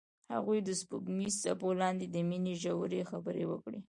هغوی د سپوږمیز څپو لاندې د مینې ژورې خبرې وکړې.